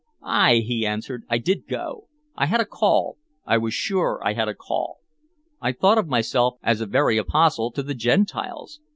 "Ay," he answered, "I did go. I had a call, I was sure I had a call. I thought of myself as a very apostle to the Gentiles.